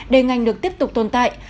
để ngành được tiếp tục tồn tại